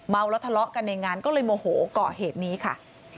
แล้วทะเลาะกันในงานก็เลยโมโหก่อเหตุนี้ค่ะ